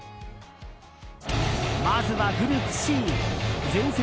まずはグループＣ前節